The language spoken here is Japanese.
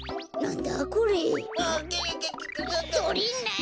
とれない。